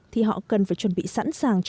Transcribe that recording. thì họ cần phải chuẩn bị sẵn sàng